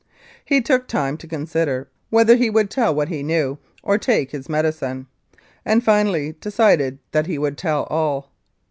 He took time to consider whether he would tell what he knew or take his medicine, and finally decided that he would tell.